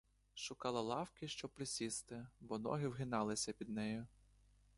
Шукала лавки, щоб присісти, бо ноги вгиналися під нею.